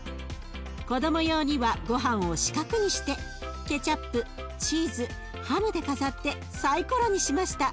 子ども用にはごはんを四角にしてケチャップチーズハムで飾ってサイコロにしました。